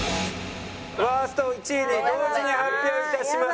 ワースト１位２位同時に発表いたします。